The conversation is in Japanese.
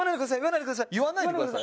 言わないでください！